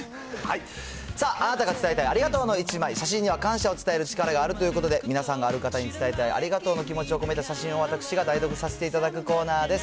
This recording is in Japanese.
あなたが伝えたいありがとうの１枚、写真には感謝を伝える力があるということで、皆さんがある方に伝えたいありがとうの気持ちを込めた写真を私が代読させていただくコーナーです。